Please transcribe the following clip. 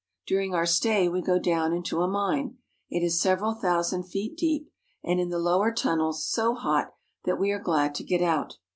During our stay we go down into a mine. It is several thousand feet deep, and in the lower tunnels so hot that we are glad to get out.